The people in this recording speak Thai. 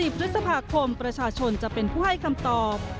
พฤษภาคมประชาชนจะเป็นผู้ให้คำตอบ